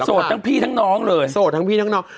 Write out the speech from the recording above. ทั้งพี่ทั้งน้องเลยโสดทั้งพี่ทั้งน้อง